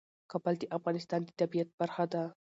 کابل د افغانستان د طبیعت برخه ده.